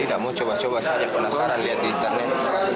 tidak mau coba coba saja penasaran lihat di internet